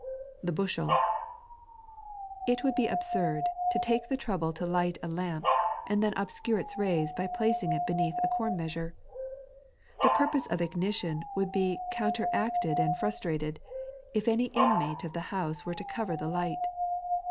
The Bttshal. It would be absurd to take the trouble to light a lamp, and then obscure its rays by placing it beneath a corn measure. The purpose of ignition would be counteracted and frustrated, if any inmate of the bouse were to cover the light.